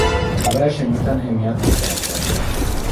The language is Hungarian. A verseny után emiatt kizárták.